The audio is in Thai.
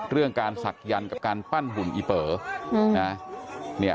เรื่องการศักยรกับการปั้นหุ่นอีเป๋อ